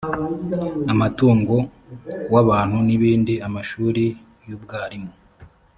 amatungo w abantu n ibindi amashuri y ubwarimu